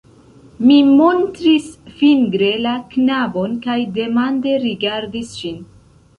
Mi montris fingre la knabon kaj demande rigardis ŝin.